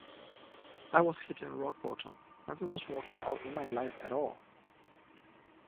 I was hitting rock bottom, nothing was working out in my life at all.